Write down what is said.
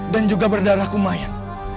dan juga berdarah kumayan